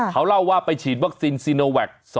เขาเล่าว่าไปฉีดวัคซีนซีโนแวค